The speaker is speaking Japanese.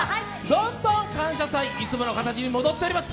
どんどん「感謝祭」、いつもの形に戻っております。